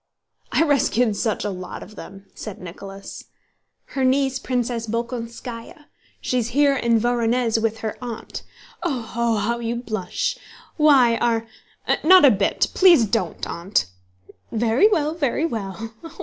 "I rescued such a lot of them!" said Nicholas. "Her niece, Princess Bolkónskaya. She is here in Vorónezh with her aunt. Oho! How you blush. Why, are...?" "Not a bit! Please don't, Aunt!" "Very well, very well!...